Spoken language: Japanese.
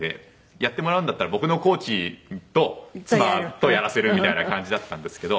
やってもらうんだったら僕のコーチと妻とやらせるみたいな感じだったんですけど。